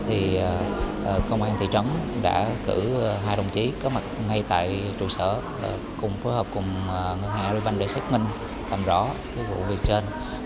thì công an thị trấn đã cử hai đồng chí có mặt ngay tại trụ sở cùng phối hợp cùng ngân hàng agribank để xác minh tạm rõ cái vụ việc trên